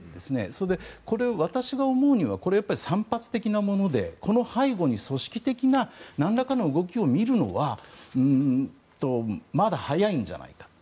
それで、私が思うにはこれは散発的なものでこの背後に組織的ななんらかの動きを見るのはまだ早いんじゃないか。